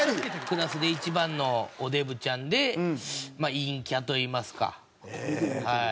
クラスで一番のおデブちゃんでまあ陰キャといいますかはい。